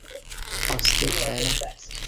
অস্থির, তাই না?